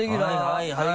はいはい！